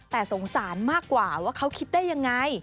แต่สงสารมากกว่าว่าเขาคิดได้ยังไง